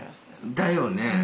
だよね。